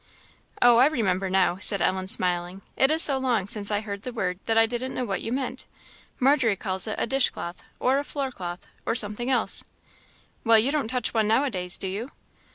"Oh, I remember now," said Ellen, smiling; "it is so long since I heard the word that I didn't know what you meant. Margery calls it a dish cloth, or a floor cloth, or something else." "Well, you don't touch one now a days, do you?"